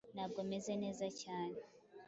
Ntabwo meze neza cyane